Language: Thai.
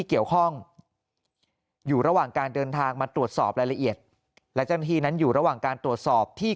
เกี่ยวข้องอยู่ระหว่างการเดินทางมาตรวจสอบรายละเอียดและเจ้าหน้าที่นั้นอยู่ระหว่างการตรวจสอบที่